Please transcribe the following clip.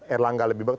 erlangga lebih bagus